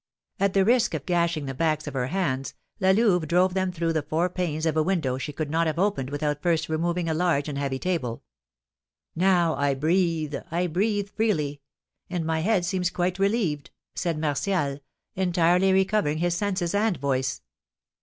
At the risk of gashing the backs of her hands, La Louve drove them through the four panes of a window she could not have opened without first removing a large and heavy table. "Now I breathe! I breathe freely! And my head seems quite relieved!" said Martial, entirely recovering his senses and voice.